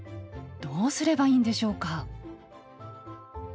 どうすればいいんでしょうか？